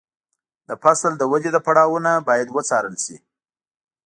د فصل د ودې پړاوونه باید وڅارل شي.